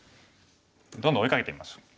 どんどん追いかけてみましょう。